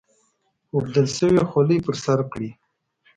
اوبدل شوې خولۍ پر سر کړي.